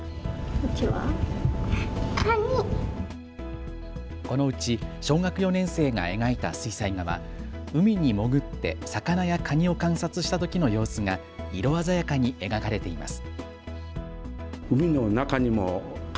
このうち小学４年生が描いた水彩画は海に潜って魚やカニを観察したときの様子が色鮮やかに描かれています。